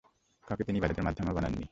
কাউকে তিনি তাঁর ইবাদতের মাধ্যমও বানাননি।